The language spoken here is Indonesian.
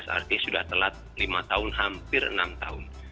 artinya sudah telat lima tahun hampir enam tahun